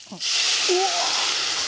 うわ！